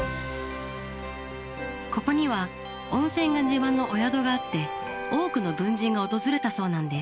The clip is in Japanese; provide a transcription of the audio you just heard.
ここには温泉が自慢のお宿があって多くの文人が訪れたそうなんです。